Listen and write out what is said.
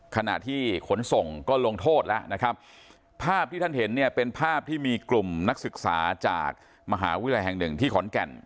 ขณะที่ขนส่งก็ลงโทษแล้วนะครับภาพที่ท่านเห็นเนี่ยเป็นภาพที่มีกลุ่มนักศึกษาจากมหาวิทยาลัยแห่งหนึ่งที่ขอนแก่น